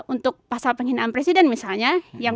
untuk pasal penghinaan presiden misalnya